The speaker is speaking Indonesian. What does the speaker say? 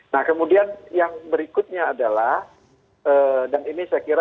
nah kemudian yang berikutnya adalah dan ini saya kira